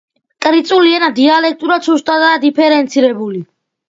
კრიწული ენა დიალექტურად სუსტადაა დიფერენცირებული.